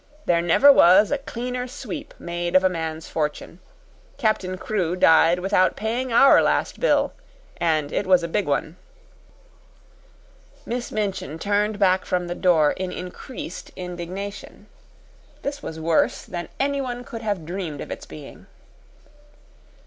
There never was a cleaner sweep made of a man's fortune. Captain Crewe died without paying OUR last bill and it was a big one." Miss Minchin turned back from the door in increased indignation. This was worse than anyone could have dreamed of its being.